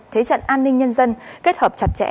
thế trận an ninh nhân dân kết hợp chặt chẽ